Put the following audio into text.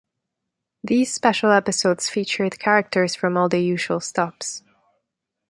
These special episodes featured characters from all the usual stops.